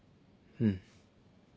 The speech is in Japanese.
うん。